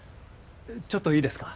ちょっといいですか？